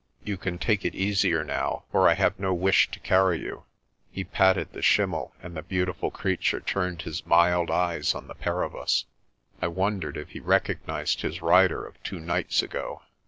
"You can take it easier now, for I have no wish to carry you." He patted the schimmel and the beautiful creature turned his mild eyes on the pair of us. I wondered if he recognised his rider of two nights ago.